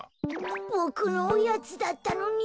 ボクのオヤツだったのに。